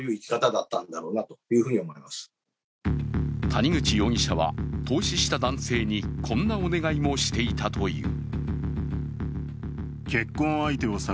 谷口容疑者は投資した男性にこんなお願いもしていたという。